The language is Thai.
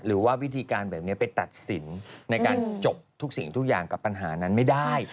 หรือว่าวิธีการแบบนี้ไปตัดสินในการจบทุกสิ่งทุกอย่างกับปัญหานั้นไม่ได้